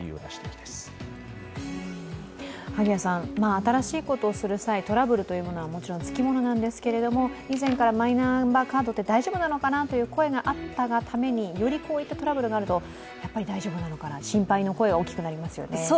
新しいことをする際トラブルというものは、もちろんつきものなんですけど以前からマイナンバーカードって大丈夫なのかなという声があったがためによりこういったトラブルがあるとやっぱり大丈夫なのかなって心配の声が大きくなりますよね。